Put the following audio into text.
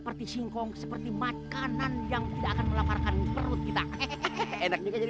seperti singkong seperti makanan yang tidak akan melakarkan perut kita enak juga jadi